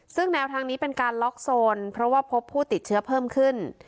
ซึ่งแนวทางนี้เป็นการล็อกโซนเพราะว่าพบผู้ติดเชื้อเพิ่มขึ้น